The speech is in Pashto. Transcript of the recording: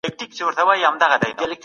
انتقادي فکر څنګه د زده کړي پایلي ښې کوي؟